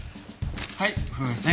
はい風船。